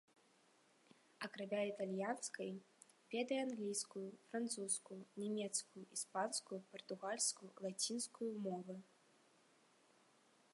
Акрамя італьянскай, ведае англійскую, французскую, нямецкую, іспанскую, партугальскую, лацінскую мовы.